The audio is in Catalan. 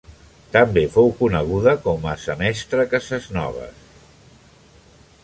També fou coneguda com a Sa Mestra Cases Noves.